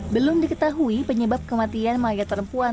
belum diketahui penyebab kematian mayat perempuan